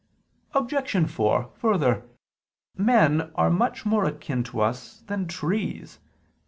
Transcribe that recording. Obj. 4: Further, men are much more akin to us than trees.